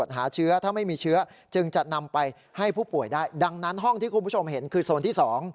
จึงจะนำไปให้ผู้ป่วยได้ดังนั้นห้องที่คุณผู้ชมเห็นคือโซนที่๒